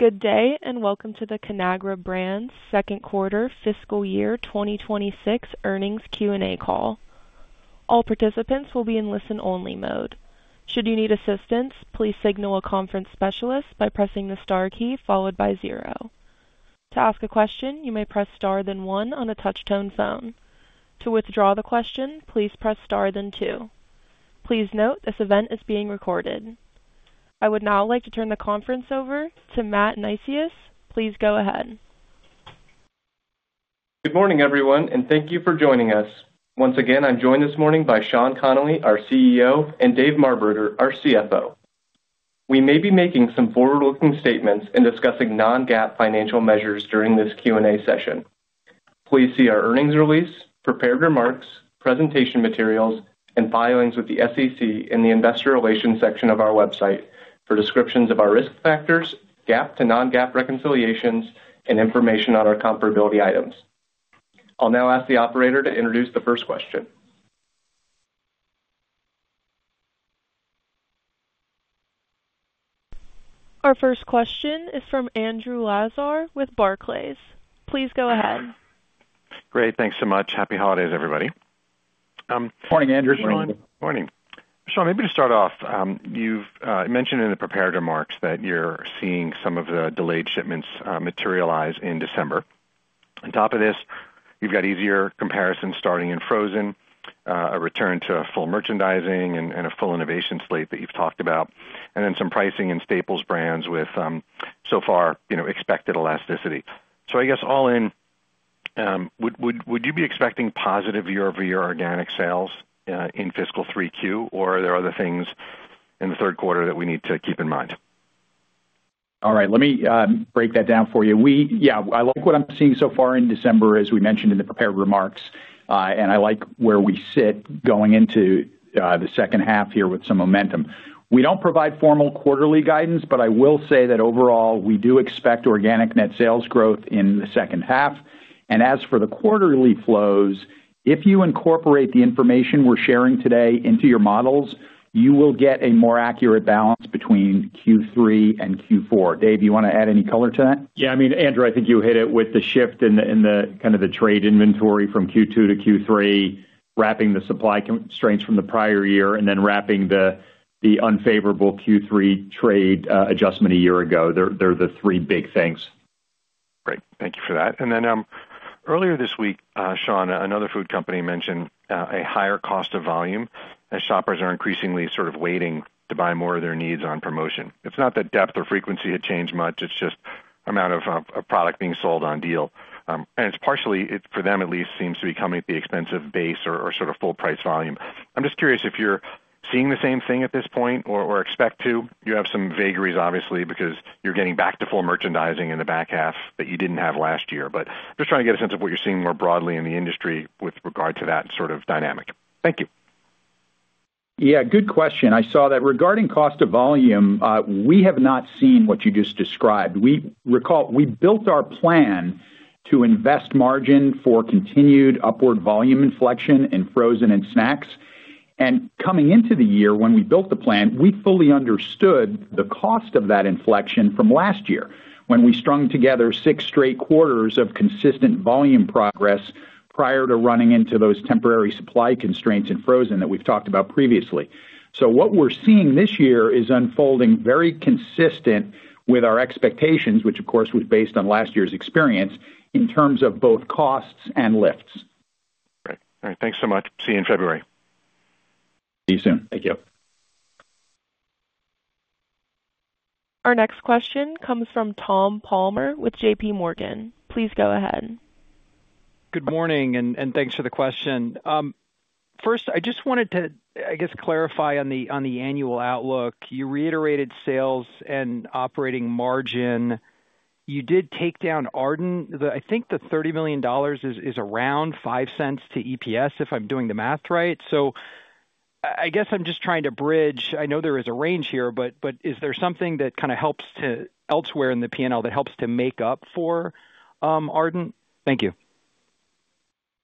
Good day and welcome to the Conagra Brands Second Quarter Fiscal Year 2026 Earnings Q&A Call. All participants will be in listen-only mode. Should you need assistance, please signal a conference specialist by pressing the star key followed by zero. To ask a question, you may press star then one on a touch-tone phone. To withdraw the question, please press star then two. Please note this event is being recorded. I would now like to turn the conference over to Matt Neisius. Please go ahead. Good morning, everyone, and thank you for joining us. Once again, I'm joined this morning by Sean Connolly, our CEO, and Dave Marberger, our CFO. We may be making some forward-looking statements and discussing non-GAAP financial measures during this Q&A session. Please see our earnings release, prepared remarks, presentation materials, and filings with the SEC in the Investor Relations section of our website for descriptions of our risk factors, GAAP to non-GAAP reconciliations, and information on our comparability items. I'll now ask the operator to introduce the first question. Our first question is from Andrew Lazar with Barclays. Please go ahead. Great. Thanks so much. Happy holidays, everybody. Morning, Andrew. Morning. Morning. Sean, maybe to start off, you've mentioned in the prepared remarks that you're seeing some of the delayed shipments materialize in December. On top of this, you've got easier comparisons starting in frozen, a return to full merchandising, and a full innovation slate that you've talked about, and then some pricing and staples brands with so far expected elasticity. So I guess all in, would you be expecting positive year-over-year organic sales in fiscal 3Q, or are there other things in the third quarter that we need to keep in mind? All right. Let me break that down for you. Yeah, I like what I'm seeing so far in December, as we mentioned in the prepared remarks, and I like where we sit going into the second half here with some momentum. We don't provide formal quarterly guidance, but I will say that overall, we do expect organic net sales growth in the second half. And as for the quarterly flows, if you incorporate the information we're sharing today into your models, you will get a more accurate balance between Q3 and Q4. Dave, you want to add any color to that? Yeah, I mean, Andrew, I think you hit it with the shift in the kind of the trade inventory from Q2 to Q3, wrapping the supply constraints from the prior year, and then wrapping the unfavorable Q3 trade adjustment a year ago. They're the three big things. Great. Thank you for that. And then earlier this week, Sean, another food company mentioned a higher cost of volume as shoppers are increasingly sort of waiting to buy more of their needs on promotion. It's not that depth or frequency had changed much. It's just the amount of product being sold on deal. And it's partially, for them at least, seems to be coming at the expense of base or sort of full price volume. I'm just curious if you're seeing the same thing at this point or expect to. You have some vagaries, obviously, because you're getting back to full merchandising in the back half that you didn't have last year. But just trying to get a sense of what you're seeing more broadly in the industry with regard to that sort of dynamic. Thank you. Yeah, good question. I saw that regarding cost of volume, we have not seen what you just described. We built our plan to invest margin for continued upward volume inflection in frozen and snacks, and coming into the year when we built the plan, we fully understood the cost of that inflection from last year when we strung together six straight quarters of consistent volume progress prior to running into those temporary supply constraints in frozen that we've talked about previously, so what we're seeing this year is unfolding very consistent with our expectations, which, of course, was based on last year's experience in terms of both costs and lifts. Great. All right. Thanks so much. See you in February. See you soon. Thank you. Our next question comes from Tom Palmer with JPMorgan. Please go ahead. Good morning, and thanks for the question. First, I just wanted to, I guess, clarify on the annual outlook. You reiterated sales and operating margin. You did take down Ardent. I think the $30 million is around $0.05 to EPS, if I'm doing the math right. So I guess I'm just trying to bridge. I know there is a range here, but is there something that kind of helps to elsewhere in the P&L that helps to make up for Ardent? Thank you.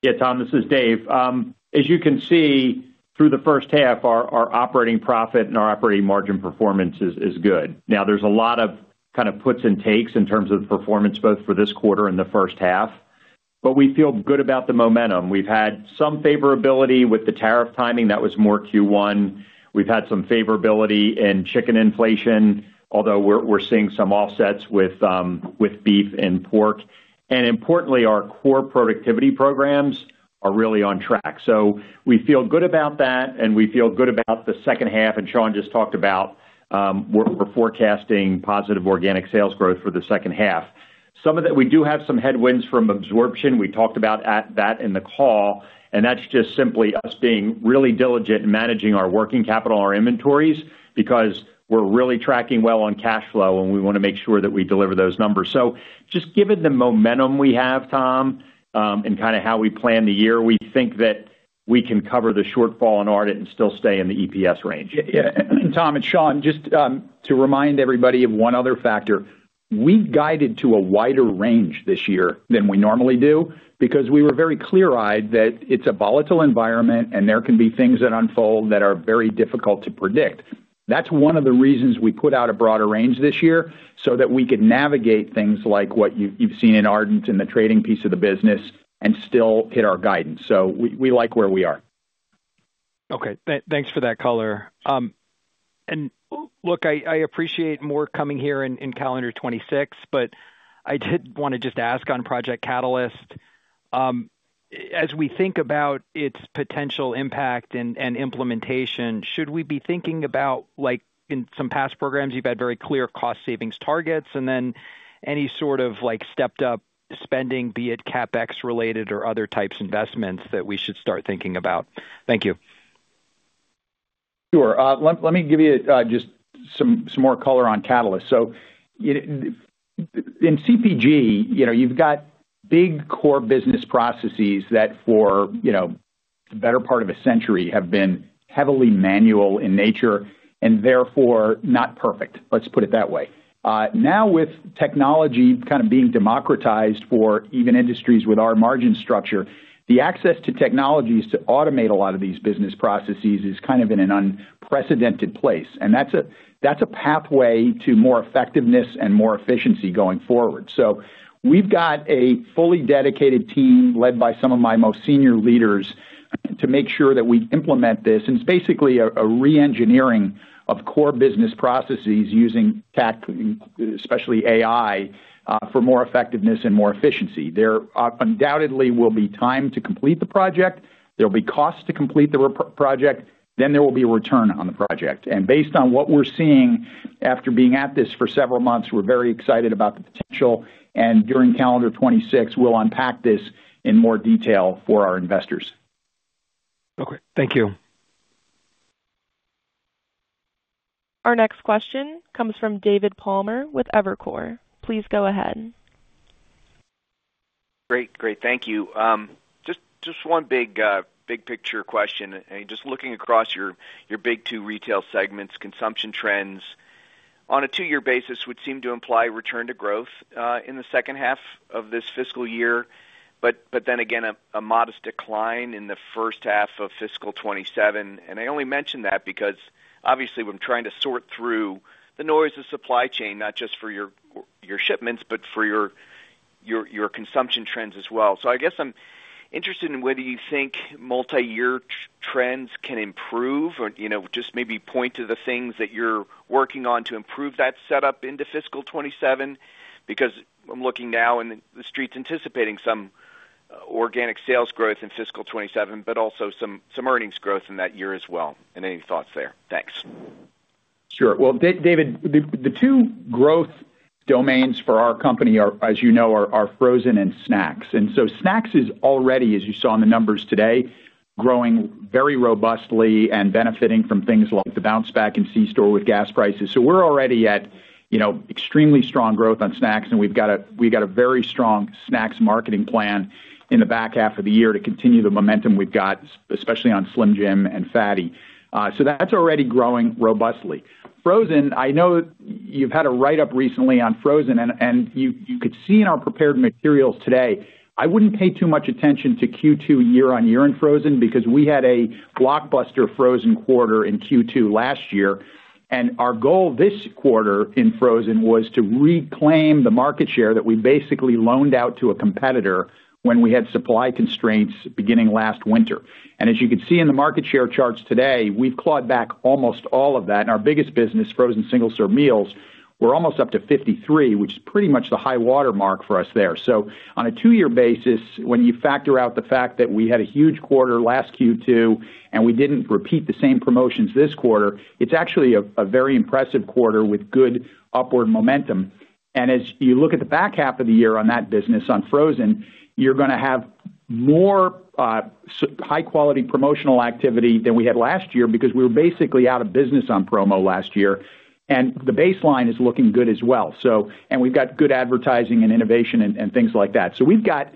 Yeah, Tom, this is Dave. As you can see, through the first half, our operating profit and our operating margin performance is good. Now, there's a lot of kind of puts and takes in terms of performance both for this quarter and the first half, but we feel good about the momentum. We've had some favorability with the tariff timing. That was more Q1. We've had some favorability in chicken inflation, although we're seeing some offsets with beef and pork. And importantly, our core productivity programs are really on track. So we feel good about that, and we feel good about the second half. And Sean just talked about we're forecasting positive organic sales growth for the second half. Some of that, we do have some headwinds from absorption. We talked about that in the call, and that's just simply us being really diligent in managing our working capital, our inventories, because we're really tracking well on cash flow, and we want to make sure that we deliver those numbers. So just given the momentum we have, Tom, and kind of how we plan the year, we think that we can cover the shortfall in Ardent and still stay in the EPS range. Yeah. Tom, it's Sean, just to remind everybody of one other factor. We guided to a wider range this year than we normally do because we were very clear-eyed that it's a volatile environment, and there can be things that unfold that are very difficult to predict. That's one of the reasons we put out a broader range this year so that we could navigate things like what you've seen in Ardent's and the trading piece of the business and still hit our guidance. So we like where we are. Okay. Thanks for that color. And look, I appreciate more coming here in calendar 2026, but I did want to just ask on Project Catalyst. As we think about its potential impact and implementation, should we be thinking about, like in some past programs, you've had very clear cost savings targets, and then any sort of stepped-up spending, be it CapEx-related or other types of investments that we should start thinking about? Thank you. Sure. Let me give you just some more color on Catalyst. So, in CPG, you've got big core business processes that, for the better part of a century, have been heavily manual in nature and therefore not perfect. Let's put it that way. Now, with technology kind of being democratized for even industries with our margin structure, the access to technologies to automate a lot of these business processes is kind of in an unprecedented place. And that's a pathway to more effectiveness and more efficiency going forward. So, we've got a fully dedicated team led by some of my most senior leaders to make sure that we implement this. And it's basically a re-engineering of core business processes using tech, especially AI, for more effectiveness and more efficiency. There undoubtedly will be time to complete the project. There'll be costs to complete the project. There will be a return on the project. And based on what we're seeing after being at this for several months, we're very excited about the potential. And during calendar 2026, we'll unpack this in more detail for our investors. Okay. Thank you. Our next question comes from David Palmer with Evercore. Please go ahead. Great. Great. Thank you. Just one big picture question. Just looking across your big two retail segments, consumption trends on a two-year basis would seem to imply return to growth in the second half of this fiscal year, but then again, a modest decline in the first half of fiscal 2027. And I only mention that because, obviously, we're trying to sort through the noise of supply chain, not just for your shipments, but for your consumption trends as well. So I guess I'm interested in whether you think multi-year trends can improve or just maybe point to the things that you're working on to improve that setup into fiscal 2027 because I'm looking now in the streets anticipating some organic sales growth in fiscal 2027, but also some earnings growth in that year as well. And any thoughts there? Thanks. Sure. Well, David, the two growth domains for our company, as you know, are frozen and snacks, and so snacks is already, as you saw in the numbers today, growing very robustly and benefiting from things like the bounce back in C-store with gas prices, so we're already at extremely strong growth on snacks, and we've got a very strong snacks marketing plan in the back half of the year to continue the momentum we've got, especially on Slim Jim and FATTY, so that's already growing robustly. Frozen, I know you've had a write-up recently on frozen, and you could see in our prepared materials today. I wouldn't pay too much attention to Q2 year-on-year in frozen because we had a blockbuster frozen quarter in Q2 last year. And our goal this quarter in frozen was to reclaim the market share that we basically loaned out to a competitor when we had supply constraints beginning last winter. And as you can see in the market share charts today, we've clawed back almost all of that. And our biggest business, frozen single-serve meals, we're almost up to 53%, which is pretty much the high watermark for us there. So on a two-year basis, when you factor out the fact that we had a huge quarter last Q2 and we didn't repeat the same promotions this quarter, it's actually a very impressive quarter with good upward momentum. And as you look at the back half of the year on that business on frozen, you're going to have more high-quality promotional activity than we had last year because we were basically out of business on promo last year. The baseline is looking good as well. We've got good advertising and innovation and things like that. We've got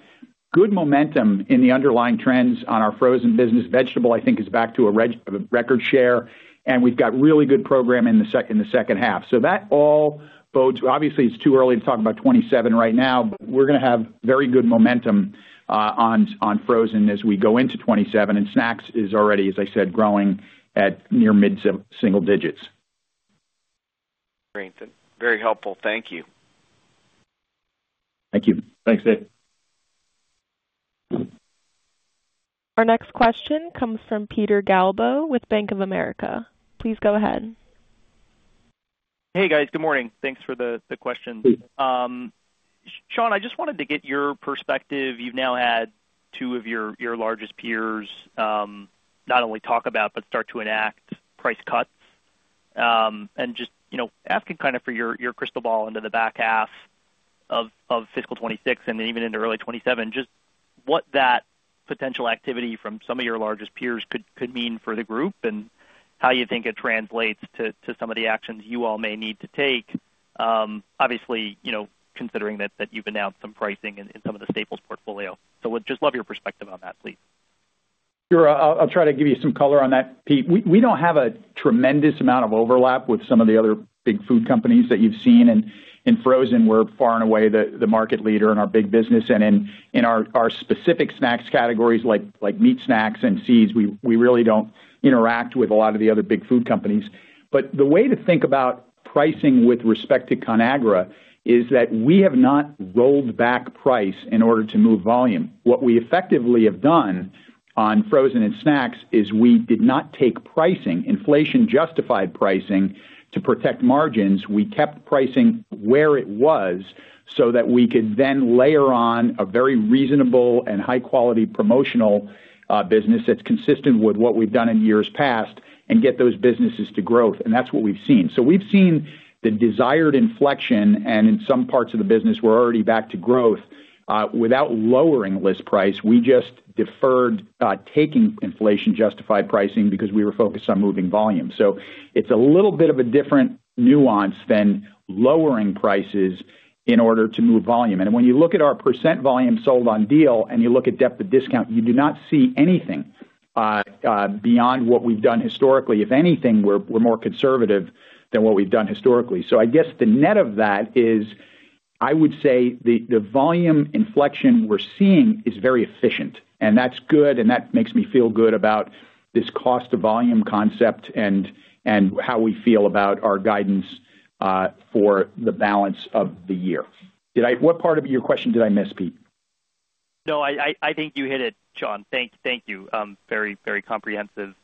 good momentum in the underlying trends on our frozen business. Vegetable, I think, is back to a record share, and we've got really good program in the second half. That all bodes. Obviously, it's too early to talk about 2027 right now, but we're going to have very good momentum on frozen as we go into 2027. Snacks is already, as I said, growing at near mid-single digits. Great. Very helpful. Thank you. Thank you. Thanks, Dave. Our next question comes from Peter Galbo with Bank of America. Please go ahead. Hey, guys. Good morning. Thanks for the question. Sean, I just wanted to get your perspective. You've now had two of your largest peers not only talk about, but start to enact price cuts and just asking kind of for your crystal ball into the back half of fiscal 2026 and even into early 2027, just what that potential activity from some of your largest peers could mean for the group and how you think it translates to some of the actions you all may need to take, obviously, considering that you've announced some pricing in some of the staples portfolio. So just love your perspective on that, please. Sure. I'll try to give you some color on that. We don't have a tremendous amount of overlap with some of the other big food companies that you've seen. And in frozen, we're far and away the market leader in our big business. And in our specific snacks categories like meat snacks and seeds, we really don't interact with a lot of the other big food companies. But the way to think about pricing with respect to Conagra is that we have not rolled back price in order to move volume. What we effectively have done on frozen and snacks is we did not take pricing, inflation-justified pricing to protect margins. We kept pricing where it was so that we could then layer on a very reasonable and high-quality promotional business that's consistent with what we've done in years past and get those businesses to growth. And that's what we've seen. So we've seen the desired inflection. And in some parts of the business, we're already back to growth. Without lowering list price, we just deferred taking inflation-justified pricing because we were focused on moving volume. So it's a little bit of a different nuance than lowering prices in order to move volume. And when you look at our percent volume sold on deal and you look at depth of discount, you do not see anything beyond what we've done historically. If anything, we're more conservative than what we've done historically. So I guess the net of that is, I would say the volume inflection we're seeing is very efficient. And that's good, and that makes me feel good about this cost-to-volume concept and how we feel about our guidance for the balance of the year. What part of your question did I miss, Pete? No, I think you hit it, Sean. Thank you. Very, very comprehensive.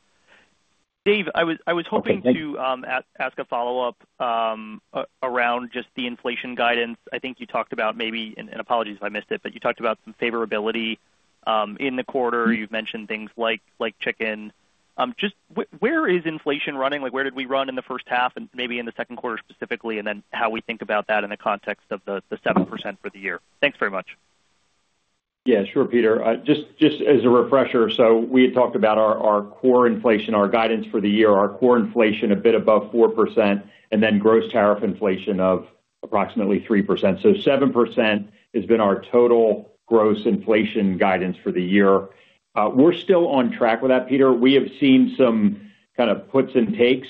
Dave, I was hoping to ask a follow-up around just the inflation guidance. I think you talked about maybe, and apologies if I missed it, but you talked about some favorability in the quarter. You've mentioned things like chicken. Just where is inflation running? Where did we run in the first half and maybe in the second quarter specifically, and then how we think about that in the context of the 7% for the year? Thanks very much. Yeah. Sure, Peter. Just as a refresher, so we had talked about our core inflation, our guidance for the year, our core inflation a bit above 4%, and then gross tariff inflation of approximately 3%. So 7% has been our total gross inflation guidance for the year. We're still on track with that, Peter. We have seen some kind of puts and takes.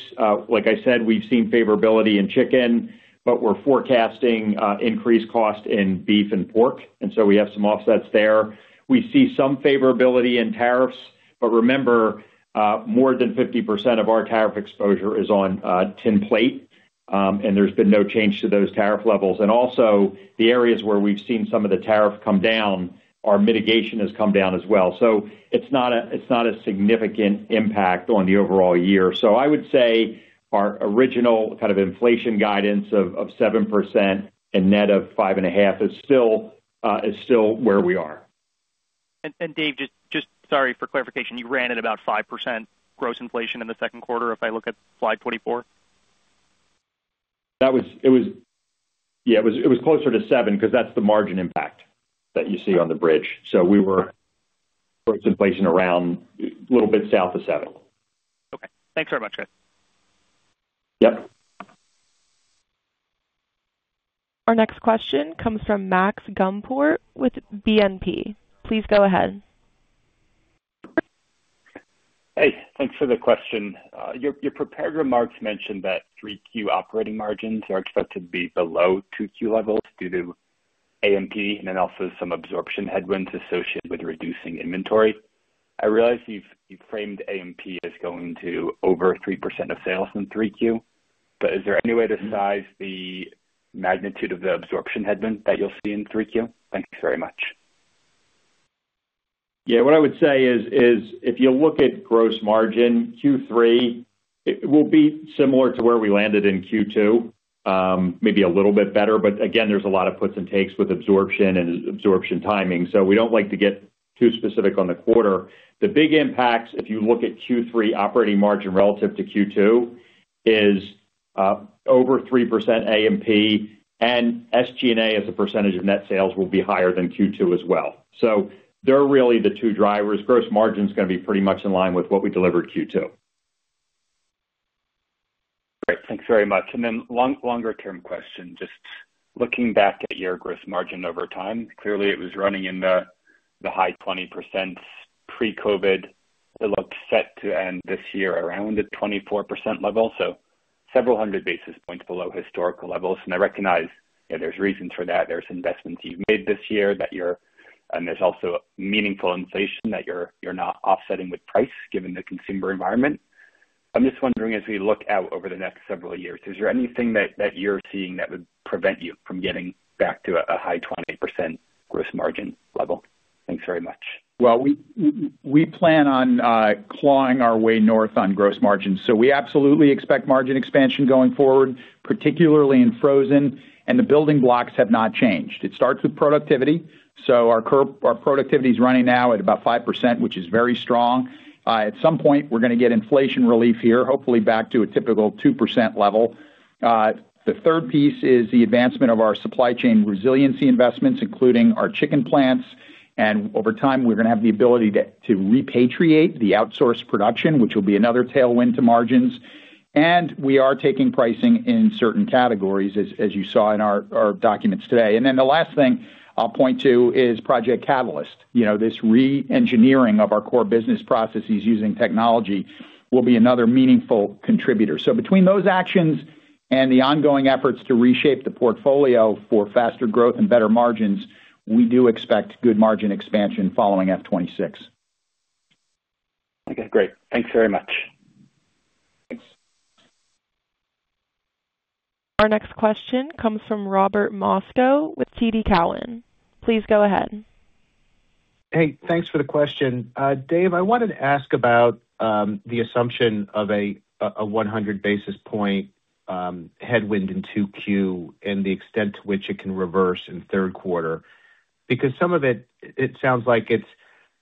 Like I said, we've seen favorability in chicken, but we're forecasting increased cost in beef and pork. And so we have some offsets there. We see some favorability in tariffs. But remember, more than 50% of our tariff exposure is on tin plate, and there's been no change to those tariff levels. And also, the areas where we've seen some of the tariff come down, our mitigation has come down as well. So it's not a significant impact on the overall year. I would say our original kind of inflation guidance of 7% and net of 5.5% is still where we are. And Dave, just sorry for clarification, you ran at about 5% gross inflation in the second quarter if I look at slide 24? That was, yeah, it was closer to seven because that's the margin impact that you see on the bridge. So we were gross inflation around a little bit south of seven. Okay. Thanks very much, guys. Yep. Our next question comes from Max Gumport with BNP. Please go ahead. Hey, thanks for the question. Your prepared remarks mentioned that 3Q operating margins are expected to be below 2Q levels due to AMP and then also some absorption headwinds associated with reducing inventory. I realize you've framed AMP as going to over 3% of sales in 3Q, but is there any way to size the magnitude of the absorption headwinds that you'll see in 3Q? Thanks very much. Yeah. What I would say is if you look at gross margin, Q3 will be similar to where we landed in Q2, maybe a little bit better. But again, there's a lot of puts and takes with absorption and absorption timing. So we don't like to get too specific on the quarter. The big impacts, if you look at Q3 operating margin relative to Q2, is over 3% AMP, and SG&A as a percentage of net sales will be higher than Q2 as well. So they're really the two drivers. Gross margin is going to be pretty much in line with what we delivered Q2. Great. Thanks very much. Then longer-term question, just looking back at your gross margin over time, clearly it was running in the high 20% pre-COVID. It looks set to end this year around a 24% level, so several hundred basis points below historical levels. I recognize there's reasons for that. There's investments you've made this year that you're, and there's also meaningful inflation that you're not offsetting with price given the consumer environment. I'm just wondering, as we look out over the next several years, is there anything that you're seeing that would prevent you from getting back to a high 20% gross margin level? Thanks very much. We plan on clawing our way north on gross margins, so we absolutely expect margin expansion going forward, particularly in frozen, and the building blocks have not changed. It starts with productivity, so our productivity is running now at about 5%, which is very strong. At some point, we're going to get inflation relief here, hopefully back to a typical 2% level. The third piece is the advancement of our supply chain resiliency investments, including our chicken plants, and over time, we're going to have the ability to repatriate the outsourced production, which will be another tailwind to margins, and we are taking pricing in certain categories, as you saw in our documents today, and then the last thing I'll point to is Project Catalyst. This re-engineering of our core business processes using technology will be another meaningful contributor. So between those actions and the ongoing efforts to reshape the portfolio for faster growth and better margins, we do expect good margin expansion following F26. Okay. Great. Thanks very much. Thanks. Our next question comes from Robert Moskow with TD Cowen. Please go ahead. Hey, thanks for the question. Dave, I wanted to ask about the assumption of a 100 basis point headwind in 2Q and the extent to which it can reverse in third quarter because some of it, it sounds like it's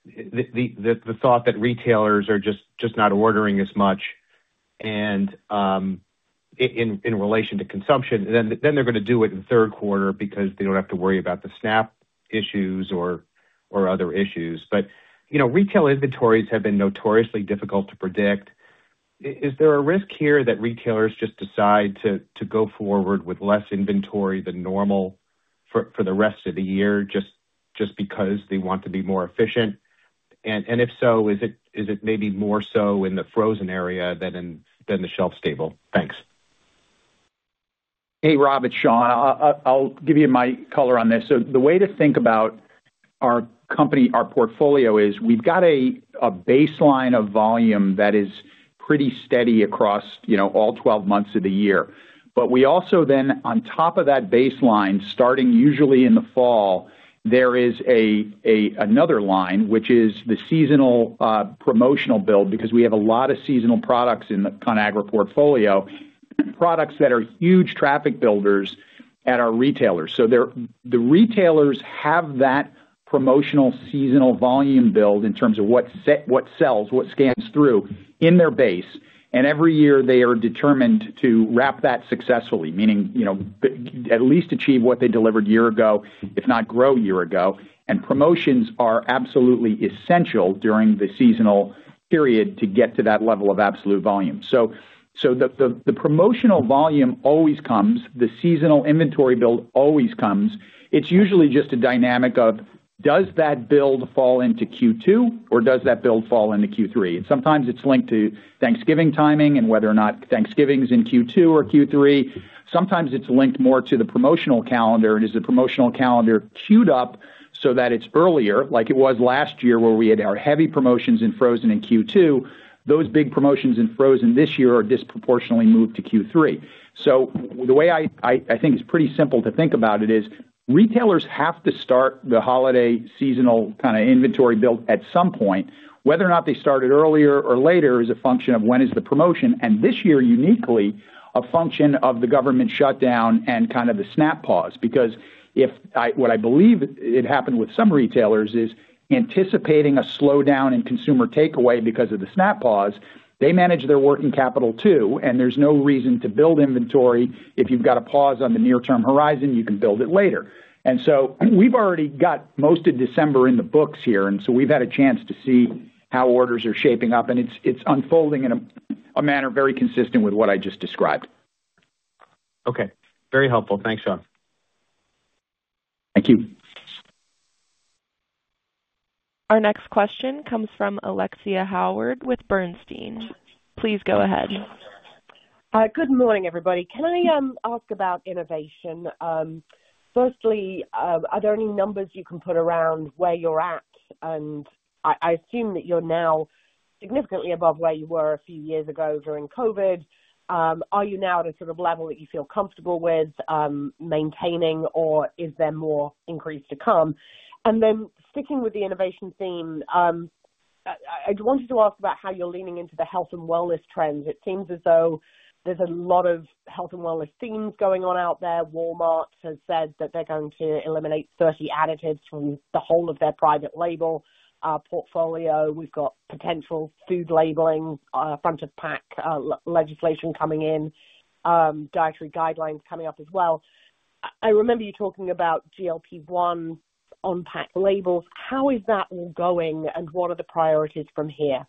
the thought that retailers are just not ordering as much in relation to consumption. Then they're going to do it in third quarter because they don't have to worry about the SNAP issues or other issues. But retail inventories have been notoriously difficult to predict. Is there a risk here that retailers just decide to go forward with less inventory than normal for the rest of the year just because they want to be more efficient? And if so, is it maybe more so in the frozen area than the shelf stable? Thanks. Hey, Rob, it's Sean. I'll give you my color on this. So the way to think about our company, our portfolio, is we've got a baseline of volume that is pretty steady across all 12 months of the year. But we also then, on top of that baseline, starting usually in the fall, there is another line, which is the seasonal promotional build because we have a lot of seasonal products in the Conagra portfolio, products that are huge traffic builders at our retailers. So the retailers have that promotional seasonal volume build in terms of what sells, what scans through in their base. And every year, they are determined to wrap that successfully, meaning at least achieve what they delivered a year ago, if not grow a year ago. And promotions are absolutely essential during the seasonal period to get to that level of absolute volume. So the promotional volume always comes. The seasonal inventory build always comes. It's usually just a dynamic of, does that build fall into Q2, or does that build fall into Q3? And sometimes it's linked to Thanksgiving timing and whether or not Thanksgiving's in Q2 or Q3. Sometimes it's linked more to the promotional calendar. And is the promotional calendar queued up so that it's earlier, like it was last year where we had our heavy promotions in frozen in Q2? Those big promotions in frozen this year are disproportionately moved to Q3. So the way I think it's pretty simple to think about it is retailers have to start the holiday seasonal kind of inventory build at some point. Whether or not they start it earlier or later is a function of when is the promotion. And this year, uniquely, a function of the government shutdown and kind of the SNAP pause. Because what I believe it happened with some retailers is anticipating a slowdown in consumer takeaway because of the SNAP pause. They manage their working capital too, and there's no reason to build inventory. If you've got a pause on the near-term horizon, you can build it later. And so we've already got most of December in the books here. And so we've had a chance to see how orders are shaping up. And it's unfolding in a manner very consistent with what I just described. Okay. Very helpful. Thanks, Sean. Thank you. Our next question comes from Alexia Howard with Bernstein. Please go ahead. Good morning, everybody. Can I ask about innovation? Firstly, are there any numbers you can put around where you're at? And I assume that you're now significantly above where you were a few years ago during COVID. Are you now at a sort of level that you feel comfortable with maintaining, or is there more increase to come? And then sticking with the innovation theme, I wanted to ask about how you're leaning into the health and wellness trends. It seems as though there's a lot of health and wellness themes going on out there. Walmart has said that they're going to eliminate 30 additives from the whole of their private label portfolio. We've got potential food labeling, front-of-pack legislation coming in, dietary guidelines coming up as well. I remember you talking about GLP-1 on-pack labels. How is that all going, and what are the priorities from here?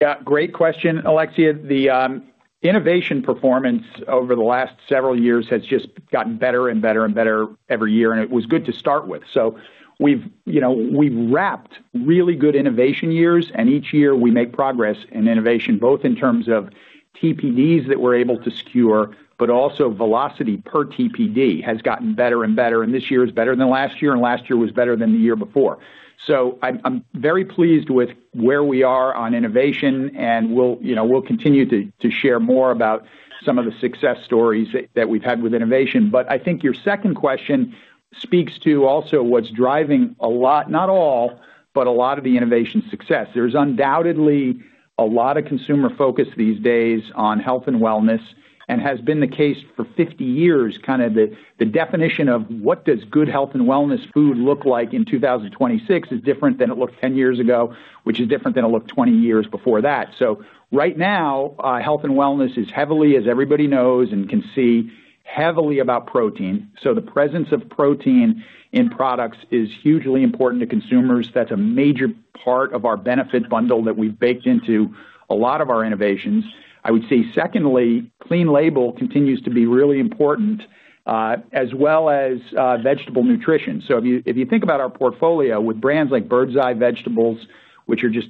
Yeah. Great question, Alexia. The innovation performance over the last several years has just gotten better and better and better every year, and it was good to start with. So we've wrapped really good innovation years, and each year we make progress in innovation, both in terms of TPDs that we're able to secure, but also velocity per TPD has gotten better and better. And this year is better than last year, and last year was better than the year before. So I'm very pleased with where we are on innovation, and we'll continue to share more about some of the success stories that we've had with innovation. But I think your second question speaks to also what's driving a lot, not all, but a lot of the innovation success. There's undoubtedly a lot of consumer focus these days on health and wellness, and has been the case for 50 years. Kind of the definition of what does good health and wellness food look like in 2026 is different than it looked 10 years ago, which is different than it looked 20 years before that. So right now, health and wellness is heavily, as everybody knows and can see, heavily about protein. So the presence of protein in products is hugely important to consumers. That's a major part of our benefit bundle that we've baked into a lot of our innovations. I would say, secondly, clean label continues to be really important, as well as vegetable nutrition. So if you think about our portfolio with brands like Birds Eye Vegetables, which are just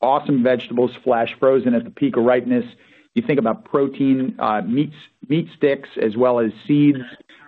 awesome vegetables flash frozen at the peak of ripeness, you think about protein, meat sticks, as well as seeds.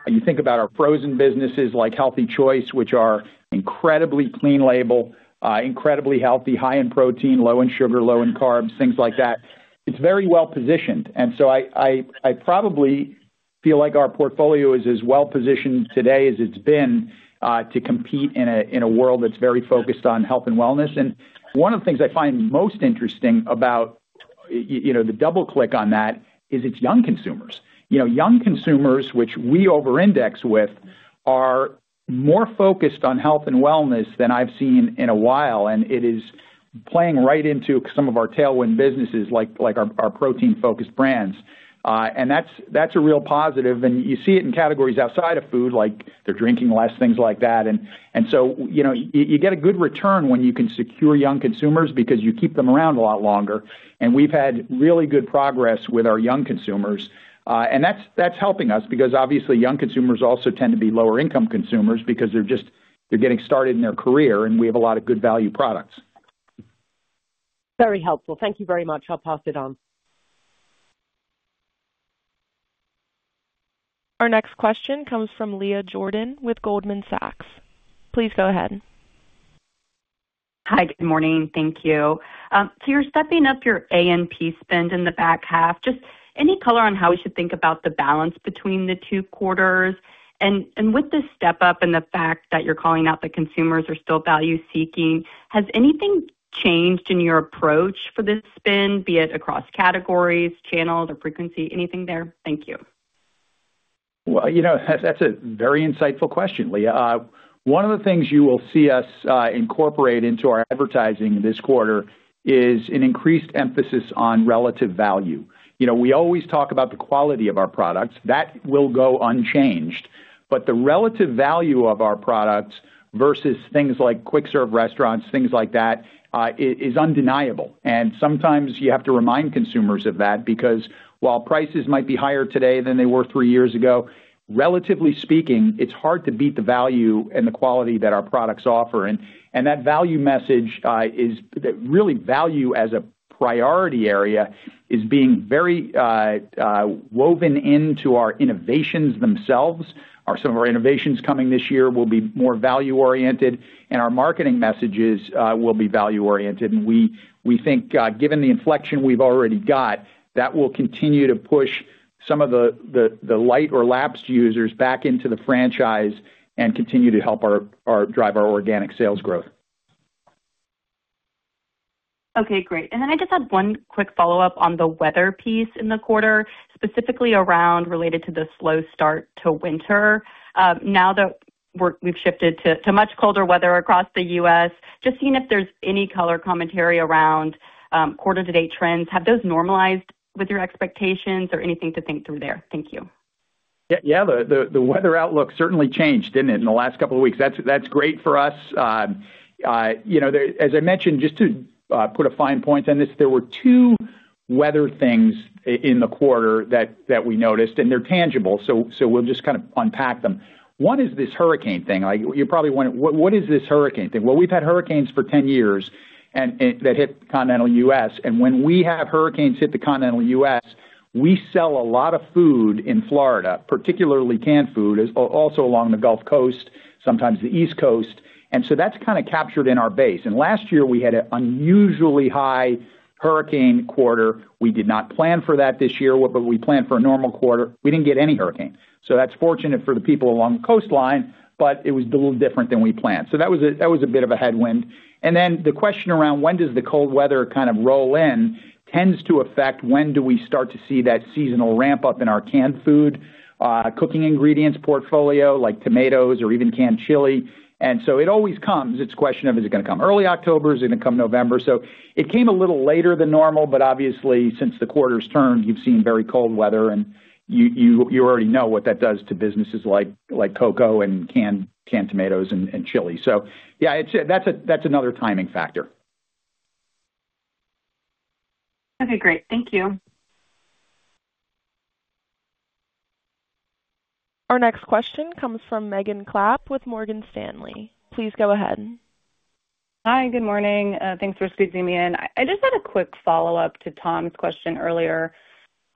You think about our frozen businesses like Healthy Choice, which are incredibly clean label, incredibly healthy, high in protein, low in sugar, low in carbs, things like that. It's very well positioned. And so I probably feel like our portfolio is as well positioned today as it's been to compete in a world that's very focused on health and wellness. And one of the things I find most interesting about the double-click on that is it's young consumers. Young consumers, which we over-index with, are more focused on health and wellness than I've seen in a while. And it is playing right into some of our tailwind businesses, like our protein-focused brands. That's a real positive. You see it in categories outside of food, like they're drinking less, things like that. So you get a good return when you can secure young consumers because you keep them around a lot longer. We've had really good progress with our young consumers. That's helping us because, obviously, young consumers also tend to be lower-income consumers because they're getting started in their career, and we have a lot of good value products. Very helpful. Thank you very much. I'll pass it on. Our next question comes from Leah Jordan with Goldman Sachs. Please go ahead. Hi. Good morning. Thank you. So you're stepping up your A&P spend in the back half. Just any color on how we should think about the balance between the two quarters? And with this step-up and the fact that you're calling out that consumers are still value-seeking, has anything changed in your approach for this spend, be it across categories, channels, or frequency? Anything there? Thank you. That's a very insightful question, Leah. One of the things you will see us incorporate into our advertising this quarter is an increased emphasis on relative value. We always talk about the quality of our products. That will go unchanged. But the relative value of our products versus things like quick-serve restaurants, things like that, is undeniable. And sometimes you have to remind consumers of that because while prices might be higher today than they were three years ago, relatively speaking, it's hard to beat the value and the quality that our products offer. And that value message is really value as a priority area is being very woven into our innovations themselves. Some of our innovations coming this year will be more value-oriented, and our marketing messages will be value-oriented. We think, given the inflection we've already got, that will continue to push some of the light or lapsed users back into the franchise and continue to help drive our organic sales growth. Okay. Great. And then I just had one quick follow-up on the weather piece in the quarter, specifically around related to the slow start to winter. Now that we've shifted to much colder weather across the U.S., just seeing if there's any color commentary around quarter-to-date trends. Have those normalized with your expectations or anything to think through there? Thank you. Yeah. The weather outlook certainly changed, didn't it, in the last couple of weeks? That's great for us. As I mentioned, just to put a fine point on this, there were two weather things in the quarter that we noticed, and they're tangible. So we'll just kind of unpack them. One is this hurricane thing. You're probably wondering, what is this hurricane thing? Well, we've had hurricanes for 10 years that hit the continental U.S., and when we have hurricanes hit the continental U.S., we sell a lot of food in Florida, particularly canned food, also along the Gulf Coast, sometimes the East Coast, and so that's kind of captured in our base, and last year, we had an unusually high hurricane quarter. We did not plan for that this year, but we planned for a normal quarter. We didn't get any hurricane. So that's fortunate for the people along the coastline, but it was a little different than we planned. So that was a bit of a headwind. And then the question around when does the cold weather kind of roll in tends to affect when do we start to see that seasonal ramp-up in our canned food, cooking ingredients portfolio, like tomatoes or even canned chili. And so it always comes. It's a question of, is it going to come early October? Is it going to come November? So it came a little later than normal, but obviously, since the quarter's turned, you've seen very cold weather, and you already know what that does to businesses like cocoa and canned tomatoes and chili. So yeah, that's another timing factor. Okay. Great. Thank you. Our next question comes from Megan Clapp with Morgan Stanley. Please go ahead. Hi. Good morning. Thanks for squeezing me in. I just had a quick follow-up to Tom's question earlier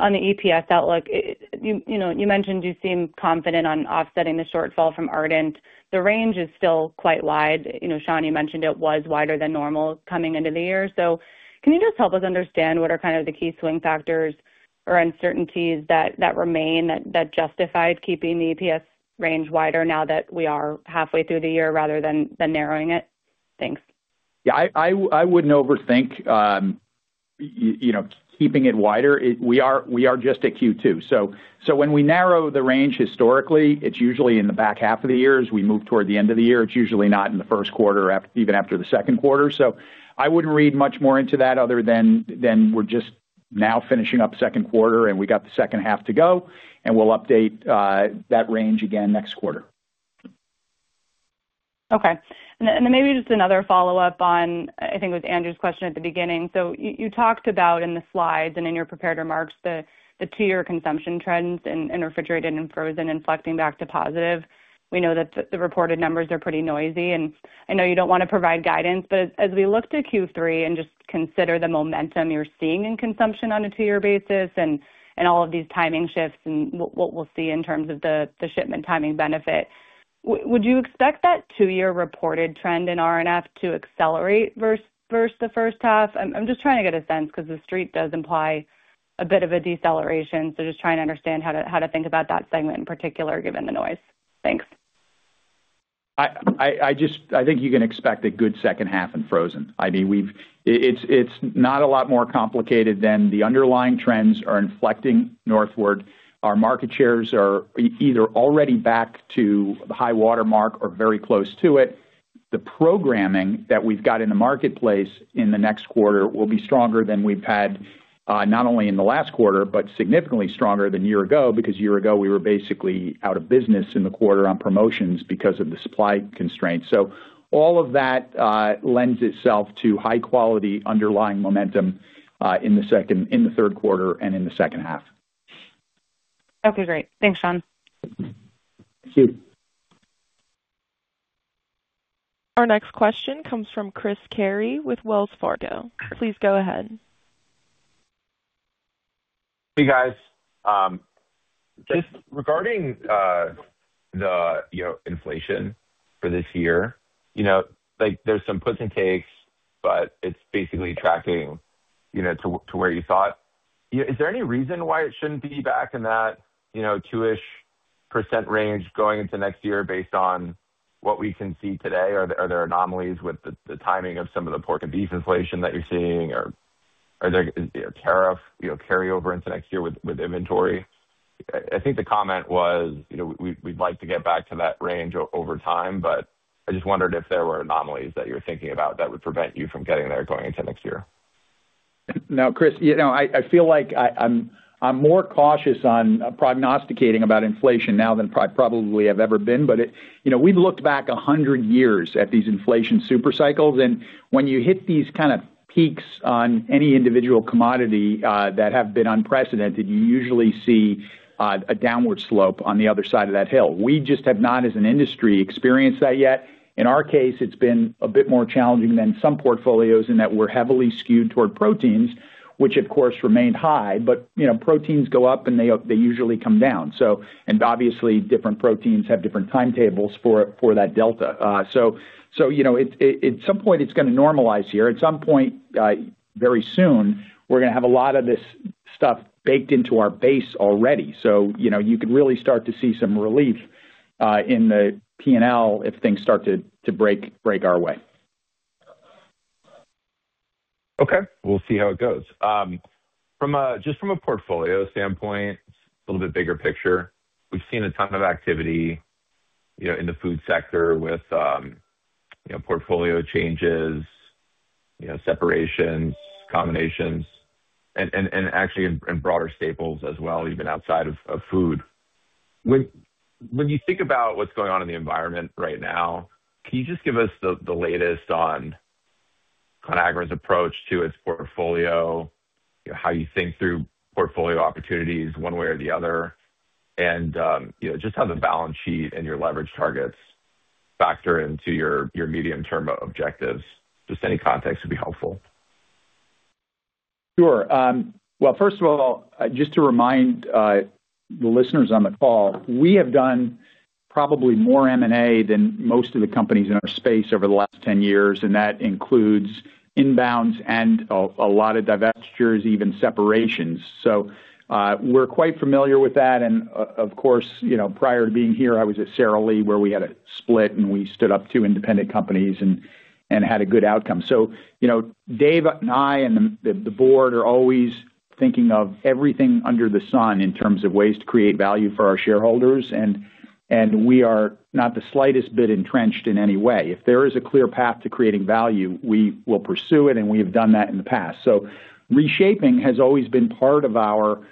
on the EPS outlook. You mentioned you seem confident on offsetting the shortfall from Ardent. The range is still quite wide. Sean, you mentioned it was wider than normal coming into the year. So can you just help us understand what are kind of the key swing factors or uncertainties that remain that justified keeping the EPS range wider now that we are halfway through the year rather than narrowing it? Thanks. Yeah. I wouldn't overthink keeping it wider. We are just at Q2. So when we narrow the range historically, it's usually in the back half of the year. As we move toward the end of the year, it's usually not in the first quarter, even after the second quarter. So I wouldn't read much more into that other than we're just now finishing up second quarter, and we got the second half to go, and we'll update that range again next quarter. Okay. And then maybe just another follow-up on, I think, it was Andrew's question at the beginning. So you talked about in the slides and in your prepared remarks the two-year consumption trends in refrigerated and frozen inflecting back to positive. We know that the reported numbers are pretty noisy. And I know you don't want to provide guidance, but as we look to Q3 and just consider the momentum you're seeing in consumption on a two-year basis and all of these timing shifts and what we'll see in terms of the shipment timing benefit, would you expect that two-year reported trend in R&F to accelerate versus the first half? I'm just trying to get a sense because the street does imply a bit of a deceleration. So just trying to understand how to think about that segment in particular, given the noise. Thanks. I think you can expect a good second half in frozen. I mean, it's not a lot more complicated than the underlying trends are inflecting northward. Our market shares are either already back to the high watermark or very close to it. The programming that we've got in the marketplace in the next quarter will be stronger than we've had not only in the last quarter, but significantly stronger than a year ago because a year ago, we were basically out of business in the quarter on promotions because of the supply constraints. So all of that lends itself to high-quality underlying momentum in the third quarter and in the second half. Okay. Great. Thanks, Sean. Thank you. Our next question comes from Chris Carey with Wells Fargo. Please go ahead. Hey, guys. Just regarding the inflation for this year, there's some puts and takes, but it's basically tracking to where you thought. Is there any reason why it shouldn't be back in that 2-ish percent range going into next year based on what we can see today? Are there anomalies with the timing of some of the pork and beef inflation that you're seeing, or are there tariff carryovers into next year with inventory? I think the comment was we'd like to get back to that range over time, but I just wondered if there were anomalies that you were thinking about that would prevent you from getting there going into next year. Now, Chris, I feel like I'm more cautious on prognosticating about inflation now than I probably have ever been. But we've looked back 100 years at these inflation supercycles. And when you hit these kind of peaks on any individual commodity that have been unprecedented, you usually see a downward slope on the other side of that hill. We just have not, as an industry, experienced that yet. In our case, it's been a bit more challenging than some portfolios in that we're heavily skewed toward proteins, which, of course, remained high. But proteins go up, and they usually come down. And obviously, different proteins have different timetables for that delta. So at some point, it's going to normalize here. At some point very soon, we're going to have a lot of this stuff baked into our base already. So you could really start to see some relief in the P&L if things start to break our way. Okay. We'll see how it goes. Just from a portfolio standpoint, a little bit bigger picture, we've seen a ton of activity in the food sector with portfolio changes, separations, combinations, and actually in broader staples as well, even outside of food. When you think about what's going on in the environment right now, can you just give us the latest on Conagra's approach to its portfolio, how you think through portfolio opportunities one way or the other, and just how the balance sheet and your leverage targets factor into your medium-term objectives? Just any context would be helpful. Sure. Well, first of all, just to remind the listeners on the call, we have done probably more M&A than most of the companies in our space over the last 10 years. And that includes inbounds and a lot of divestitures, even separations. So we're quite familiar with that. And of course, prior to being here, I was at Sara Lee, where we had a split, and we stood up two independent companies and had a good outcome. So Dave and I and the board are always thinking of everything under the sun in terms of ways to create value for our shareholders. And we are not the slightest bit entrenched in any way. If there is a clear path to creating value, we will pursue it, and we have done that in the past. So reshaping has always been part of our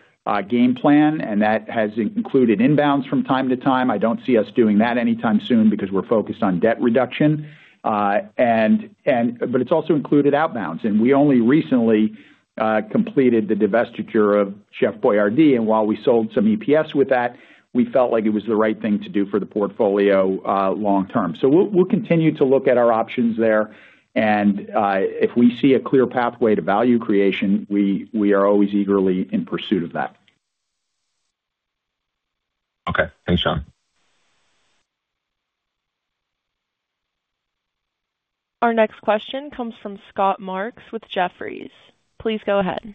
game plan, and that has included inbounds from time to time. I don't see us doing that anytime soon because we're focused on debt reduction. But it's also included outbounds. And we only recently completed the divestiture of Chef Boyardee. And while we sold some EPS with that, we felt like it was the right thing to do for the portfolio long-term. So we'll continue to look at our options there. And if we see a clear pathway to value creation, we are always eagerly in pursuit of that. Okay. Thanks, Sean. Our next question comes from Scott Marks with Jefferies. Please go ahead.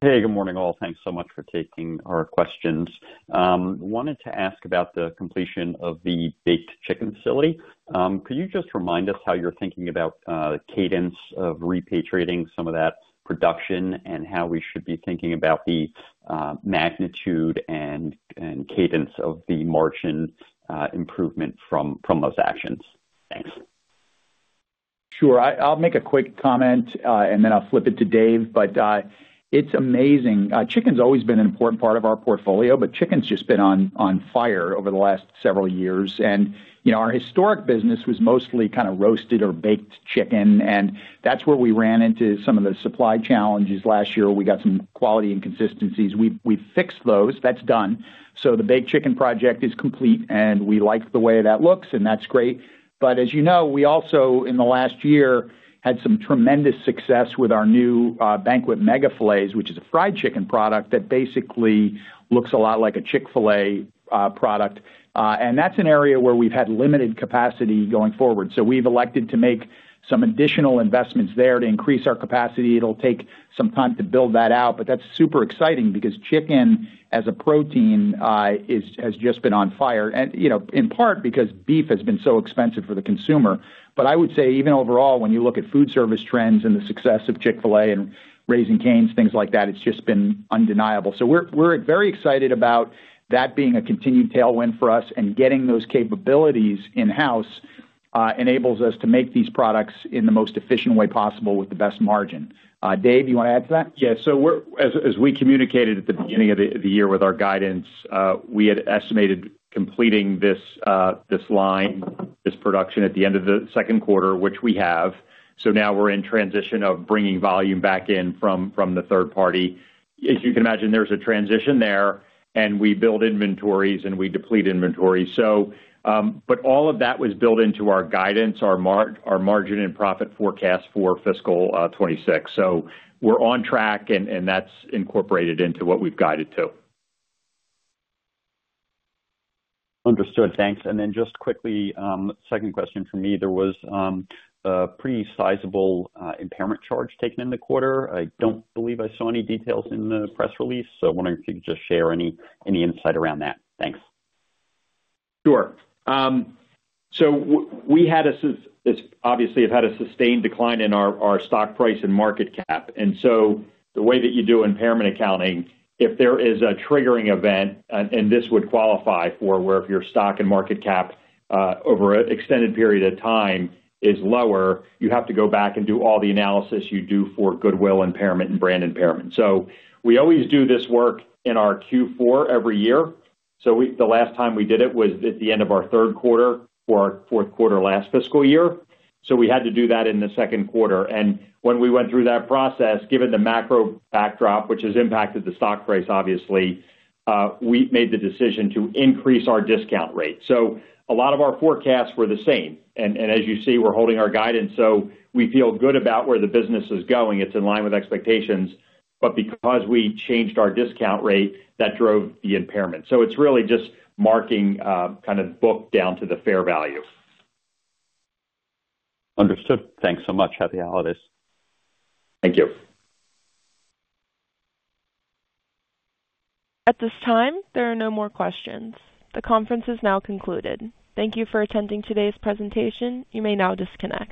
Hey, good morning, all. Thanks so much for taking our questions. Wanted to ask about the completion of the baked chicken facility. Could you just remind us how you're thinking about the cadence of repatriating some of that production and how we should be thinking about the magnitude and cadence of the margin improvement from those actions? Thanks. Sure. I'll make a quick comment, and then I'll flip it to Dave. But it's amazing. Chicken's always been an important part of our portfolio, but chicken's just been on fire over the last several years. And our historic business was mostly kind of roasted or baked chicken. And that's where we ran into some of the supply challenges last year. We got some quality inconsistencies. We've fixed those. That's done. So the baked chicken project is complete, and we like the way that looks, and that's great. But as you know, we also, in the last year, had some tremendous success with our new Banquet MEGA Filets, which is a fried chicken product that basically looks a lot like a Chick-fil-A product. And that's an area where we've had limited capacity going forward. So we've elected to make some additional investments there to increase our capacity. It'll take some time to build that out. But that's super exciting because chicken, as a protein, has just been on fire, in part because beef has been so expensive for the consumer. But I would say, even overall, when you look at food service trends and the success of Chick-fil-A and Raising Cane's, things like that, it's just been undeniable. So we're very excited about that being a continued tailwind for us. And getting those capabilities in-house enables us to make these products in the most efficient way possible with the best margin. Dave, you want to add to that? Yeah. So as we communicated at the beginning of the year with our guidance, we had estimated completing this line, this production at the end of the second quarter, which we have. So now we're in transition of bringing volume back in from the third party. As you can imagine, there's a transition there, and we build inventories and we deplete inventories. But all of that was built into our guidance, our margin and profit forecast for fiscal 2026. So we're on track, and that's incorporated into what we've guided to. Understood. Thanks. And then just quickly, second question for me. There was a pretty sizable impairment charge taken in the quarter. I don't believe I saw any details in the press release. So I'm wondering if you could just share any insight around that. Thanks. Sure. So we had, obviously, have had a sustained decline in our stock price and market cap. And so the way that you do impairment accounting, if there is a triggering event, and this would qualify for where if your stock and market cap over an extended period of time is lower, you have to go back and do all the analysis you do for goodwill impairment and brand impairment. So we always do this work in our Q4 every year. So the last time we did it was at the end of our third quarter or our fourth quarter last fiscal year. So we had to do that in the second quarter. And when we went through that process, given the macro backdrop, which has impacted the stock price, obviously, we made the decision to increase our discount rate. So a lot of our forecasts were the same. As you see, we're holding our guidance. So we feel good about where the business is going. It's in line with expectations. But because we changed our discount rate, that drove the impairment. So it's really just marking kind of book down to the fair value. Understood. Thanks so much. Happy holidays. Thank you. At this time, there are no more questions. The conference is now concluded. Thank you for attending today's presentation. You may now disconnect.